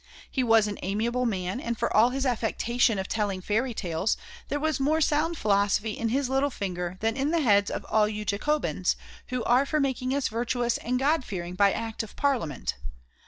He was an amiable man, and for all his affectation of telling fairy tales, there was more sound philosophy in his little finger than in the heads of all you Jacobins, who are for making us virtuous and God fearing by Act of Parliament.